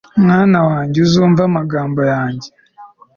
mwana wanjye, uzumve amagambo yanjye